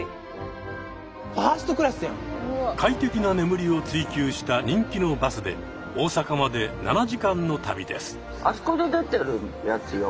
快適な眠りを追求した人気のバスで大阪まで７時間の旅です。